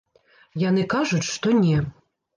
Яны кажуць, што не.